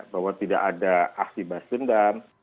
bahwa tidak ada aksi bas dendam